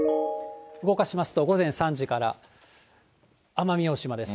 動かしますと、午前３時から、奄美大島です。